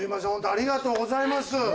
ありがとうございます。